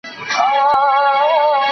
لاس ګریوان د ژوند لوړي ژوري لاروی ستړي